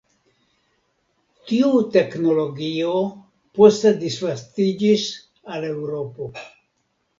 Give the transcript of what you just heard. Tiu teknologio poste disvastiĝis al Eŭropo.